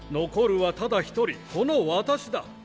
残るはただ一人この私だ。